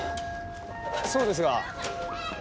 そうですが。